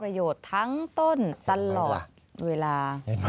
ประโยชน์ทั้งต้นตลอดเวลา